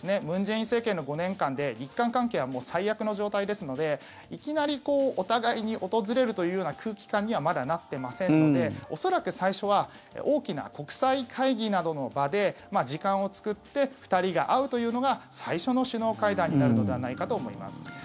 文在寅政権の５年間で日韓関係は最悪の状態ですのでいきなりお互いに訪れるというような空気感にはまだなっていませんので恐らく最初は大きな国際会議などの場で時間を作って２人が会うというのが最初の首脳会談になるのではないかと思います。